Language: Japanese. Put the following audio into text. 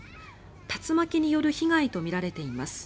竜巻による被害とみられています。